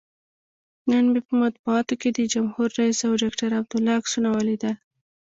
نن مې په مطبوعاتو کې د جمهور رئیس او ډاکتر عبدالله عکسونه ولیدل.